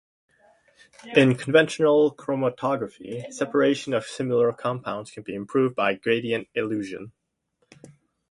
In conventional chromatography, separation of similar compounds can be improved by gradient elution.